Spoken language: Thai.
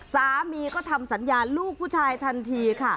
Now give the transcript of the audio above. สามีก็ทำสัญญาลูกผู้ชายทันทีค่ะ